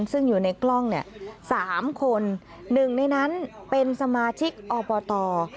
ซึ่งอยู่ในกล้องเนี่ย๓คนหนึ่งในนั้นเป็นสมาชิกอบต